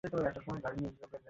আল্লাহ সম্যক অবগত।